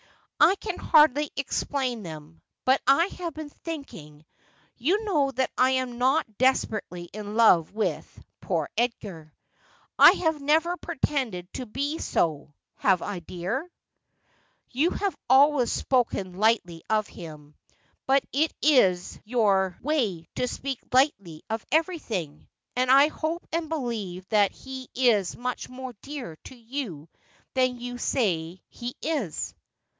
' I can hardly explain them ; but I have been thinking — you know that I am not desperately in love with — poor Edgar. I have never pretended to be so ; have I, dear?' ' You have always spoken lightly of him. But it is your 'For Love and not for Hate tliou must he ded.' 357 way to speak lightly of everything ; and I hope and believe that he is much more dear to you than you say he is.'